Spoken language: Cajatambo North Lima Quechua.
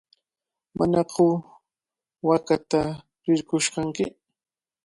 ¿Manaku waakata rirqush kanki?